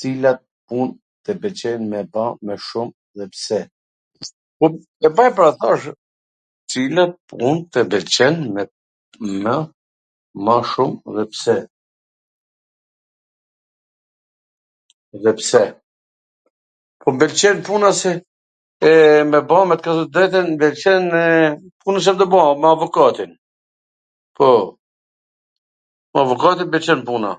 Cila pun tw pwlqen me ba mw shum dhe pse? Po m pwlqen puna se ... me ba me thwn tw drejtwn me qwnw... puna qw jam tu ba, pra me avokatin, po, me avokatim m pwlqen puna,